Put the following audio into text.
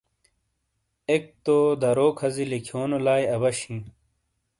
ایک تو دارو کھازی لکھیونو لائی ابش ہی۔